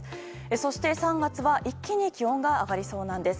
そして、３月は一気に気温が上がりそうなんです。